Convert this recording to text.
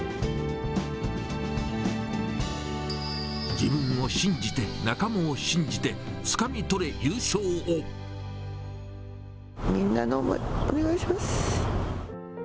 自分を信じて、仲間を信じて、みんなの思い、お願いします。